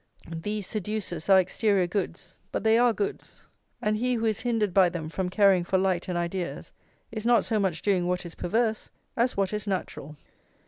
These seducers are exterior goods, but they are goods; and he who is hindered by them from caring for light and ideas, is not so much doing what is perverse as what is natural.